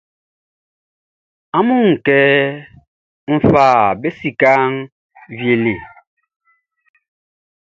Amun a wun kɛ n fa be sikaʼn wie le?